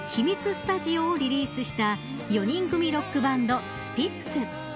スタジオをリリースした４人組ロックバンド、スピッツ。